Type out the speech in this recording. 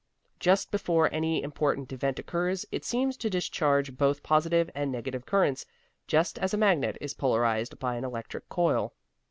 Just before any important event occurs it seems to discharge both positive and negative currents, just as a magnet is polarized by an electric coil.